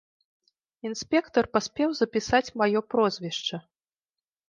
Інспектар паспеў запісаць маё прозвішча.